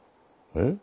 え？